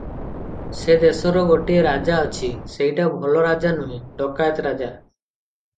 ସେ ଦେଶରେ ଗୋଟାଏ ରଜା ଅଛି, ସେଇଟା ଭଲ ରଜା ନୁହେ, ଡକାଇତ ରଜା ।